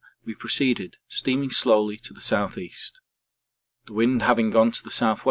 we proceeded, steaming slowly to the S.E. The wind having gone to the S.W.